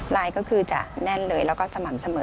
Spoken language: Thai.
ก็คือจะแน่นเลยแล้วก็สม่ำเสมอ